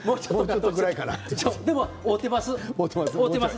でも合うてます。